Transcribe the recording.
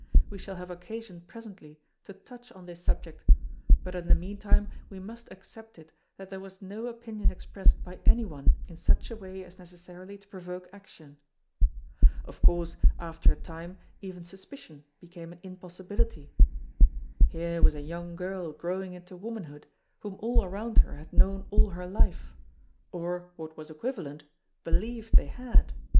We shall have occasion presently to touch on this subject but in the meantime we must accept it that there was no opinion expressed by any one in such a way as necessarily to provoke action. Of course after a time even suspicion became an impossibility. Here was a young girl growing into womanhood whom all around her had known all her life or what was equivalent believed they had.